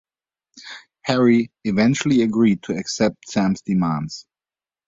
Harry eventually agreed to accept Sam's demands.